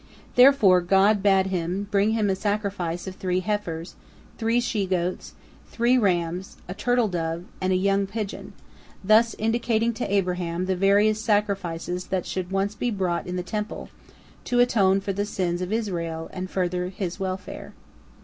Therefore God bade him bring Him a sacrifice of three heifers, three she goats, three rams, a turtle dove, and a young pigeon, thus indicating to Abraham the various sacrifices that should once be brought in the Temple, to atone for the sins of Israel and further his welfare.